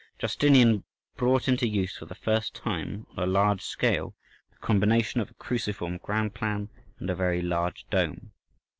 Justinian brought into use for the first time on a large scale the combination of a cruciform ground plan and a very large dome.